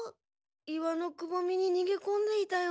岩のくぼみににげこんでいたような。